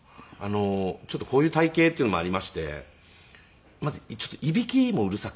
ちょっとこういう体形っていうのもありましてまずいびきもうるさくて。